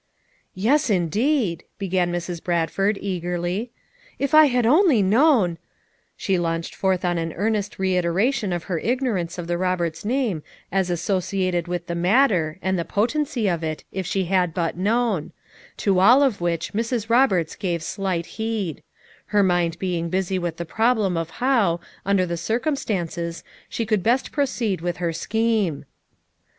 "Yes indeed," began Mrs. Bradford eagerly. "If I had only known'* — She launched forth on an earnest reiteration of her ignorance of the Roberts name as associated with the matter and the potency of it, if she had but known ; to all of which Mrs. Roberts gave slight heed; her mind being busy with the problem of how, under the circumstances, she could best proceed with her scheme.